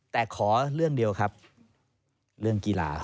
แต่ขอเรื่องเดียวครับเรื่องกีฬา